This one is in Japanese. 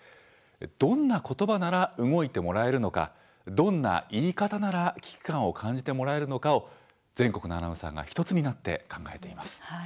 どんなことばなら動いてもらえるのかどんな言い方なら危機感を感じてもらえるのかを全国のアナウンサーが１つになって考えています。